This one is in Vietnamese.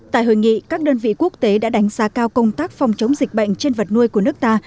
tại hội nghị các đơn vị quốc tế đã đánh giá cao công tác phòng chống dịch bệnh trên vật nuôi của nước ta